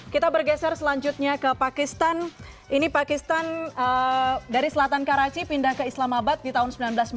kita bergeser selanjutnya ke pakistan ini pakistan dari selatan karachi pindah ke islamabad di tahun seribu sembilan ratus sembilan puluh